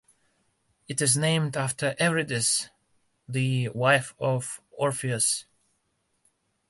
It is named after Eurydice, the wife of Orpheus.